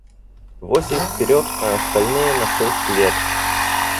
Восемь вперед, а остальные на шесть лет.